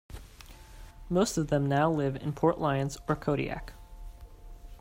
Most of them now live in Port Lions or Kodiak.